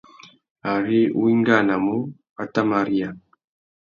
Ari wá ingānamú, wá tà mà riya.